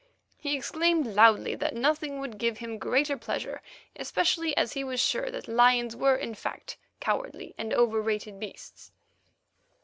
He exclaimed loudly that nothing would give him greater pleasure, especially as he was sure that lions were in fact cowardly and overrated beasts.